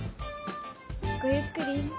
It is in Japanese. ごゆっくり。